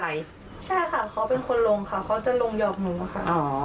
ใช่ค่ะเขาเป็นคนลงค่ะเขาจะลงหยอกหนูค่ะ